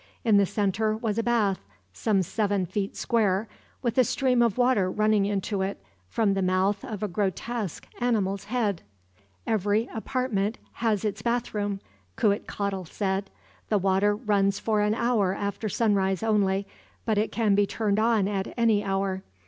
In the center was a bath, some seven feet square, with a stream of water running into it from the mouth of a grotesque animal's head. "Every apartment has its bathroom," Cuitcatl said. "The water runs for an hour after sunrise only, but it can be turned on at any hour.